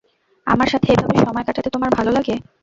আমার সাথে এভাবে সময় কাটাতে তোমার ভালো লাগে?